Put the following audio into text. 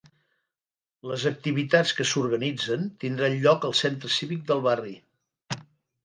Les activitats que s'organitzen tindran lloc al centre cívic del barri.